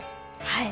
はい。